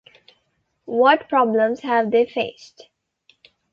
What problems have they faced?